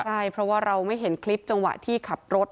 ใช่เพราะว่าเราไม่เห็นคลิปจังหวะที่ขับรถ